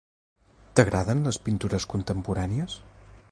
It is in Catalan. T'agraden les pintures contemporànies?